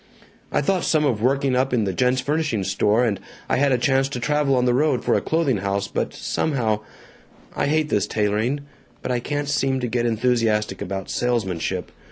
) I thought some of working up in a gents' furnishings store, and I had a chance to travel on the road for a clothing house, but somehow I hate this tailoring, but I can't seem to get enthusiastic about salesmanship.